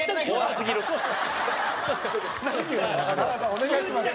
お願いします。